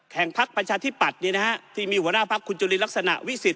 แห่งพักประชาธิปัตย์เนี้ยนะฮะที่มีหัวหน้าพักคุณจุลิลักษณะวิสิทธิ์